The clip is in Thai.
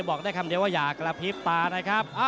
บอกได้คำเดียวว่าอย่ากระพริบตานะครับ